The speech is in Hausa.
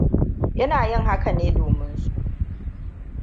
Ina yin haka ne domin su.